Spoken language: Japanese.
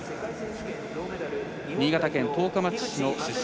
新潟県十日町市の出身。